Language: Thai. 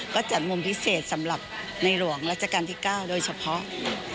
ก็จัดมุมพิเศษสำหรับในหลวงรัชกาลที่๙โดยเฉพาะ